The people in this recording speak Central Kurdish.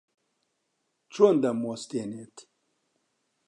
چۆن دەموەستێنیت؟